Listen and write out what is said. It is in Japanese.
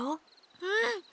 うん！